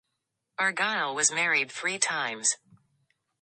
Argyll was married three times.